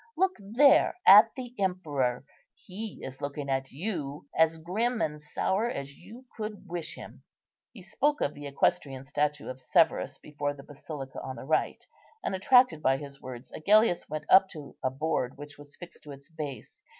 Look there at the emperor; he is looking at you, as grim and sour as you could wish him." He spoke of the equestrian statue of Severus before the Basilica on the right; and, attracted by his words, Agellius went up to a board which was fixed to its base.